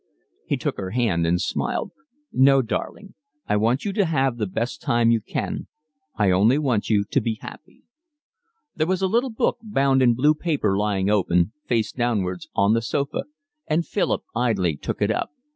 He took her hand and smiled. "No, darling, I want you to have the best time you can. I only want you to be happy." There was a little book bound in blue paper lying open, face downwards, on the sofa, and Philip idly took it up.